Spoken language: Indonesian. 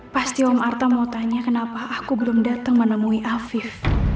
pasti om arta mau tanya kenapa aku belum datang menemui afif